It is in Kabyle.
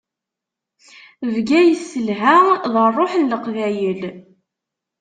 Bgayet telha, d ṛṛuḥ n Leqbayel.